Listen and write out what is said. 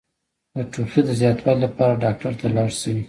د ټوخي د زیاتوالي لپاره ډاکټر ته لاړ شئ